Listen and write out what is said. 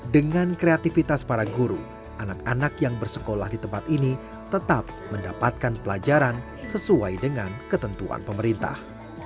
dengan kreativitas para guru anak anak yang bersekolah di tempat ini tetap mendapatkan pelajaran sesuai dengan ketentuan pemerintah